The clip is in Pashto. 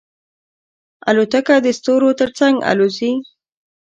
الوتکه د ستورو تر څنګ الوزي.